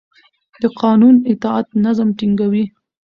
د قانون اطاعت نظم ټینګوي